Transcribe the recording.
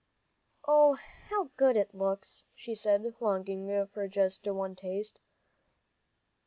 "Oh, how good it looks!" she said, longing for just one taste.